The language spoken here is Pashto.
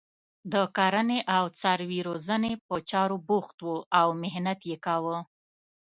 د کرنې او څاروي روزنې په چارو بوخت وو او محنت یې کاوه.